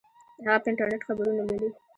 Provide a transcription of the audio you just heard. هغه په انټرنیټ خبرونه لولي